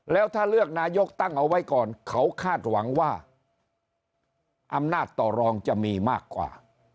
แล้วถ้าเลือกนายกตั้งเอาไว้ก่อนเขาคาดหวังว่าอำนาจต่อรองจะมีมากกว่า